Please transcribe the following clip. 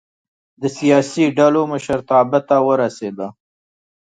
د سیاسي ډلو مشرتابه ته ورسېدل.